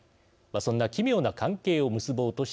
そんな奇妙な関係を結ぼうとしています。